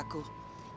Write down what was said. aku liat dia